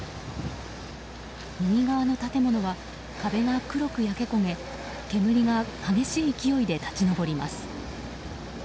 右側の建物は壁が黒く焼け焦げ煙が激しい勢いで立ち上ります。